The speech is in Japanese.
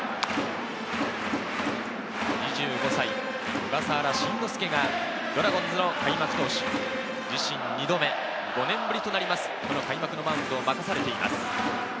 ２５歳、小笠原慎之介がドラゴンズの開幕投手、自身２度目、５年ぶりとなります、開幕のマウンドを任されています。